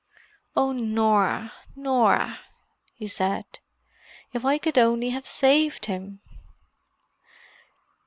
"Oh, Norah—Norah!" he said. "If I could only have saved him!"